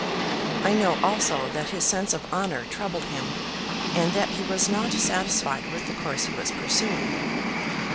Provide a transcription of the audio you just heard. I know also that his sense of honour troubled him, and that he was not satisfied with the course he was pursuing.